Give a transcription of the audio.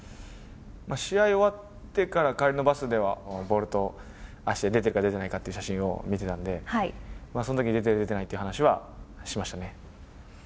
試合終わってから帰りのバスでは、ボールと足で出てるか出てないという写真を見てたんで、そのときに出てる、出てないって話はしましたね。